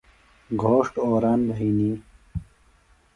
گھوݜٹ اوران بھئنی۔